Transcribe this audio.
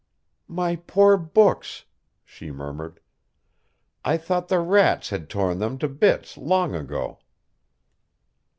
'" "My poor books," she murmured. "I thought the rats had torn them to bits long ago."